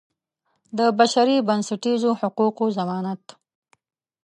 د بشري بنسټیزو حقوقو ضمانت.